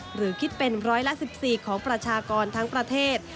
หรือคิดเป็นร้อยละ๑๔ของประชากรทั้งประเทศ